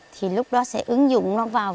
thì lúc đó sẽ ứng dụng nó vào